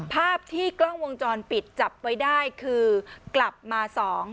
ภาพที่กล้องวงจรปิดจับไว้ได้คือกลับมาสอง